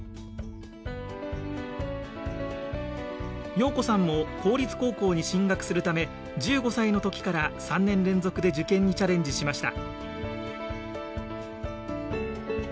陽子さんも公立高校に進学するため１５歳の時から３年連続で受験にチャレンジしました。